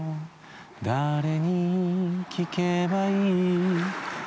「誰にきけばいい？」